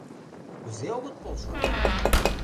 — Кузе огыт полшо?